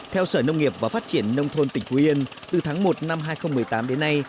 theo sở nông nghiệp và phát triển nông thôn tỉnh phú yên từ tháng một năm hai nghìn một mươi tám đến nay